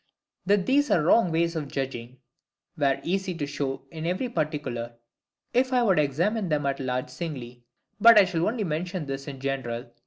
That these are wrong ways of judging, were easy to show in every particular, if I would examine them at large singly: but I shall only mention this in general, viz.